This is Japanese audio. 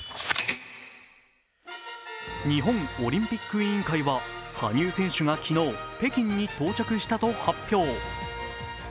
日本オリンピック委員会は羽生選手が昨日、北京に到着したと発表。